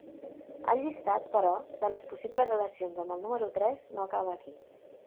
El llistat, però, de les possibles relacions amb el número tres no acaba aquí.